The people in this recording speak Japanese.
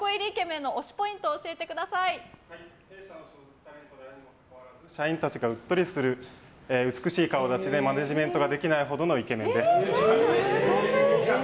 弊社所属タレントであるにもかかわらず社員たちがうっとりする美しい顔立ちでマネジメントができないほどのイケメンです。